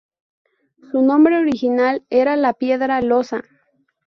Su nombre original era La Piedra Loza.